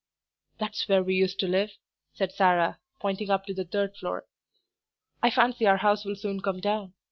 "That's where we used to live," said Sarah, pointing up to the third floor. "I fancy our house will soon come down.